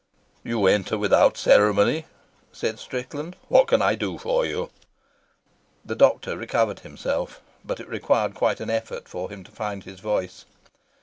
"You enter without ceremony," said Strickland. "What can I do for you?" The doctor recovered himself, but it required quite an effort for him to find his voice.